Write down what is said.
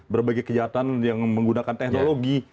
berbagai kejahatan yang menggunakan teknologi